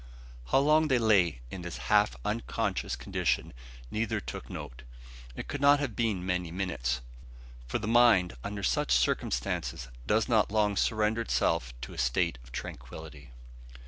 How long they lay in this half unconscious condition, neither took note. It could not have been many minutes, for the mind under such circumstances does not long surrender itself to a state of tranquillity.